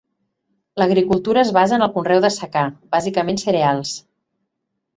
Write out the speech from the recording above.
L'agricultura es basa en el conreu de secà, bàsicament cereals.